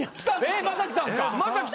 えっまた来たんすか？